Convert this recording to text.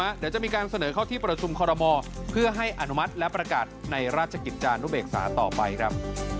เดี๋ยวจะมีการเสนอเข้าที่ประชุมคอรมอเพื่อให้อนุมัติและประกาศในราชกิจจานุเบกษาต่อไปครับ